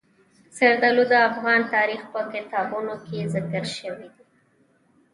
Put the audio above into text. زردالو د افغان تاریخ په کتابونو کې ذکر شوی دي.